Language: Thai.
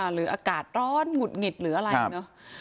หรืออากาศร้อนหงุดหงิดหรืออะไรเนอะ